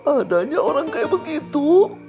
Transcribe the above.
adanya orang kayak begitu